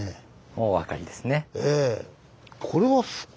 もうお分かりですね。